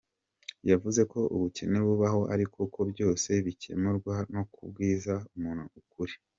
Yavuze ko ubukene bubaho ariko ko byose bikemurwa no kubwiza umuntu ukuri.